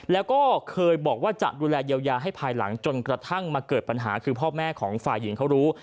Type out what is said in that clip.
แล้วก็เคยบอกว่าจะดูแลเยียวยาให้ภายหลังจนกระทั่งมาเกิดปัญหาคือพ่อแม่ของฝ่ายหญิงเขารู้